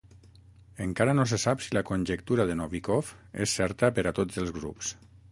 Encara no se sap si la conjectura de Novikov és certa per a tots els grups.